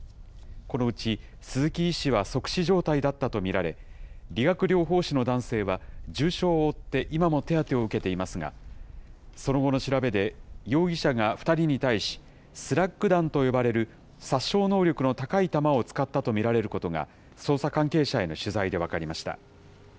このうち鈴木医師は即死状態だったと見られ、理学療法士の男性は、重傷を負って、今も手当てを受けていますが、その後の調べで、容疑者が２人に対し、スラッグ弾と呼ばれる殺傷能力の高い弾を使ったと見られることが、捜査関係者への取材で分かりました。